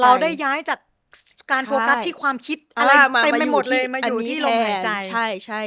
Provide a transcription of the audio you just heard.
เราได้ย้ายจากการโฟกัสที่ความคิดอะไรมาอยู่ที่ลมหายใจ